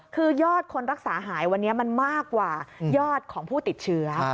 คือยอดคนรักษาหายวันนี้มันมากกว่ายอดของผู้ติดเชื้อ